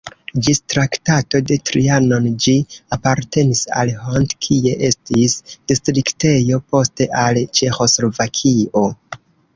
Ĝis Traktato de Trianon ĝi apartenis al Hont, kie estis distriktejo, poste al Ĉeĥoslovakio.